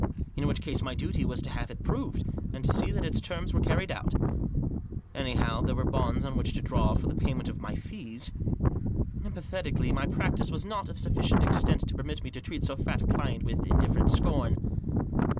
In which case my duty was to have it proved, and to see that to terms were carried out. Anyhow, there were the bonds oft which to draw for payment of my fees. Emphatically, my practice was not of sufficient extent to permit me to treat so fat a client with indifferent scorn.